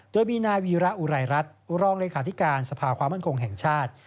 โดยมีนายวีระอุไรรัฐรองเลขาธิการสภาความมั่นคงแห่งชาติ